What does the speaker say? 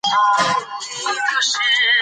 د ده درناوی زموږ دنده ده.